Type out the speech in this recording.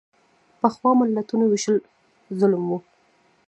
پخوا ملتونو وېشل ظلم و.